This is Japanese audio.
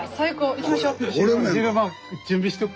行きましょう。